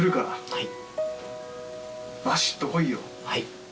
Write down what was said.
はい。